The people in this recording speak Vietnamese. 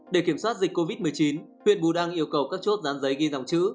để kiểm soát dịch covid một mươi chín huyện bù đăng yêu cầu các chốt dán giấy ghi dòng chữ